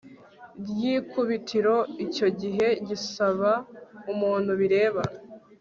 ry ikubitiro icyo gihe gisaba umuntu bireba